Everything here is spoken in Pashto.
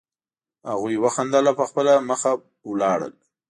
هغوی وخندل او په خپله مخه لاړل